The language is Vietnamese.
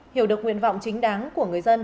hiểu được nguyện vọng chính đáng của người dân